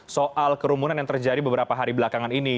soal kerumunan yang terjadi beberapa hari belakangan ini